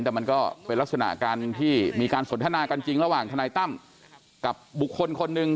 แต่มันก็เป็นลักษณะการที่มีการสนทนากันจริงระหว่างทนายตั้มกับบุคคลคนหนึ่ง